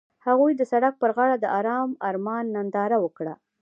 هغوی د سړک پر غاړه د آرام آرمان ننداره وکړه.